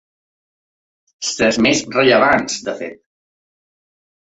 Les més rellevants, de fet.